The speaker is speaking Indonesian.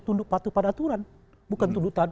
tunduk patuh pada aturan bukan tuduhan